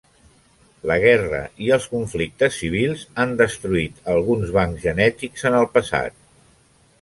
La guerra i els conflictes civils han destruït alguns bancs genètics en el passat.